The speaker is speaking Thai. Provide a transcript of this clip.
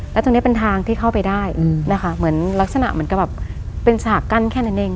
แล้วตรงนี้เป็นทางที่เข้าไปได้นะคะเหมือนลักษณะเหมือนกับแบบเป็นฉากกั้นแค่นั้นเอง